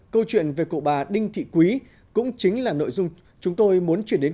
câu chuyện về cụ bà đinh thị quý cũng chính là nội dung chúng tôi muốn chuyển đến